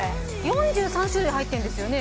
４３種類入ってるんですよね？